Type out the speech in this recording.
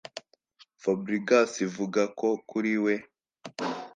Fabregas vuga ko kuri we